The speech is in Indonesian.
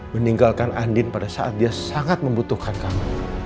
meninggalkan andin pada saat dia sangat membutuhkan kamar